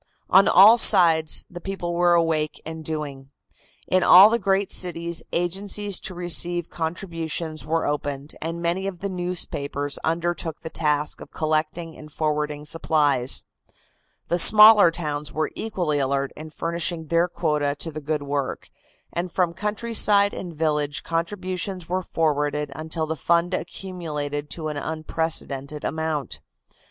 On all sides the people were awake and doing. In all the great cities agencies to receive contributions were opened, and many of the newspapers undertook the task of collecting and forwarding supplies. The smaller towns were equally alert in furnishing their quota to the good work, and from countryside and village contributions were forwarded until the fund accumulated to an unprecedented amount.